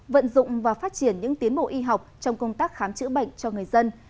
vận dụng và phát triển những tiến bộ y học trong công tác khám chữa bệnh cho người dân